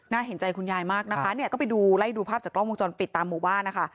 เห็นใจคุณยายมากนะคะเนี่ยก็ไปดูไล่ดูภาพจากกล้องวงจรปิดตามหมู่บ้านนะคะ